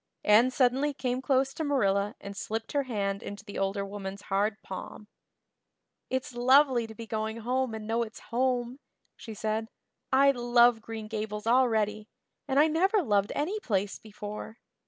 Anne suddenly came close to Marilla and slipped her hand into the older woman's hard palm. "It's lovely to be going home and know it's home," she said. "I love Green Gables already, and I never loved any place before.